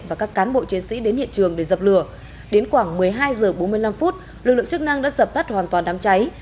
và các cán bộ chiến sĩ đến hiện trường để dập lửa đến khoảng một mươi hai h bốn mươi năm lực lượng chức năng đã dập tắt hoàn toàn đám cháy